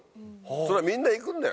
それはみんな行くんだよ。